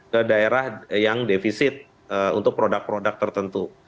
ke daerah yang defisit untuk produk produk tertentu